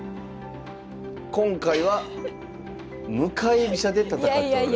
今回は向かい飛車で戦っております。